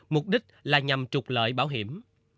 mục đích là nhằm trục lợi bảo hiểm